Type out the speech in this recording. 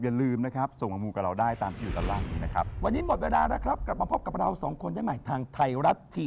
อย่าลืมนะครับส่งมามูกับเราได้ตามที่อยู่ตรับหลังนี้นะครับ